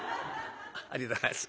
ありがとうございます。